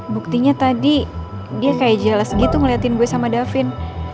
buktinya tadi dia kayak jelas gitu ngeliatin gue sama davin